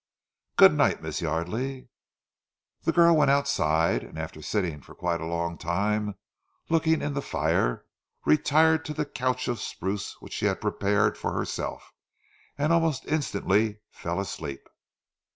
"Good night, Miss Yardely." The girl went outside, and after sitting for quite a long time looking in the fire, retired to the couch of spruce which she had prepared for herself, and almost instantly fell asleep.